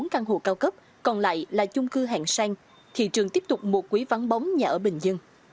ba trăm một mươi bốn căn hộ cao cấp còn lại là chung cư hạng sang thị trường tiếp tục một quý vắng bóng nhà ở bình dân